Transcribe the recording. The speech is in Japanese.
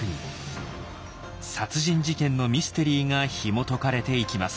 殺人事件のミステリーがひもとかれていきます。